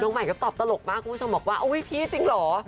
น้องใหม่ก็ตอบตลกมากเขาก็จะบอกว่าพี่จริงเหรอ